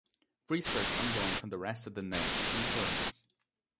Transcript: Research ongoing for the rest of the names and terms.